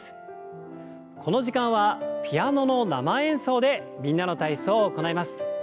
この時間はピアノの生演奏で「みんなの体操」を行います。